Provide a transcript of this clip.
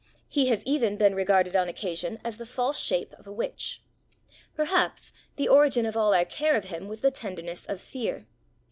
He has even been regarded on occasion as the false shape of a witch. Perhaps, the origin of all our care of him was the tenderness of fear.